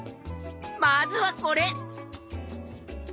まずはこれ！